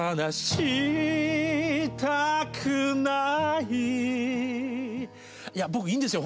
いや僕いいんですよ